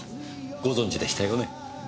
ご存じでしたよね？